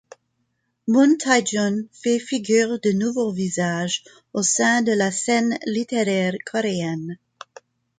Mun Tae-jun fait figure de nouveau visage au sein de la scène littéraire coréenne.